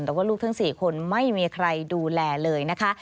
แต่ว่าลูกทั้ง๔คนไม่มีใครดูแลเลยนะคะ